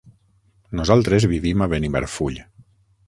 Nosaltres vivim a Benimarfull.